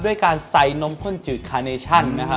ด้วยการใส่นมข้นจืดคาร์เนชั่น